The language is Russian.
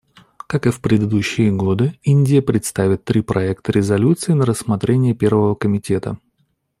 Как и в предыдущие годы, Индия представит три проекта резолюций на рассмотрение Первого комитета.